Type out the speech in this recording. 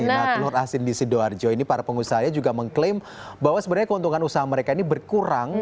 nah telur asin di sidoarjo ini para pengusaha juga mengklaim bahwa sebenarnya keuntungan usaha mereka ini berkurang